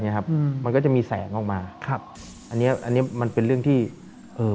ครับอืมมันก็จะมีแสงออกมาครับอันเนี้ยอันเนี้ยมันเป็นเรื่องที่เอ่อ